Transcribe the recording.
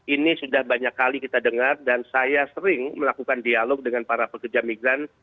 ini sudah banyak kali kita dengar dan saya sering melakukan dialog dengan para pekerja migran